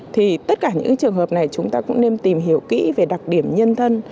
thì tất cả những trường hợp này chúng ta cũng nên tìm hiểu kỹ về đặc điểm nhân thân